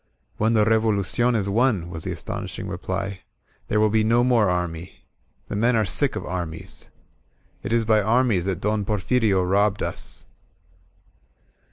^^When the Revolucion is won," was the astonishing reply, "there will be no more army. The men are sick of armies* It is by armies that Don Porfirio robbed us."